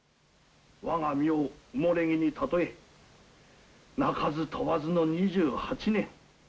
我が身を埋もれ木に例え鳴かず飛ばずの２８年。